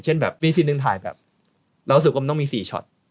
เช่นแบบมีทีหนึ่งถ่ายแบบแล้วสงฆต้องมี๔แช็ต